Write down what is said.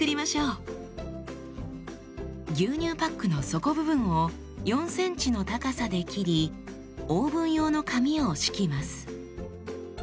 牛乳パックの底部分を４ｃｍの高さで切りオーブン用の紙を敷きます。